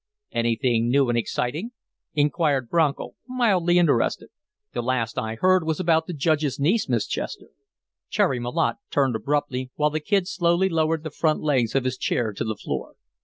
"Anything new and exciting?" inquired Bronco, mildly interested. "The last I heard was about the Judge's niece, Miss Chester." Cherry Malotte turned abruptly, while the Kid slowly lowered the front legs of his chair to the floor.